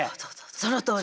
そのとおり。